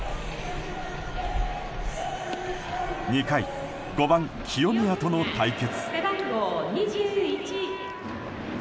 ２回５番、清宮との対決。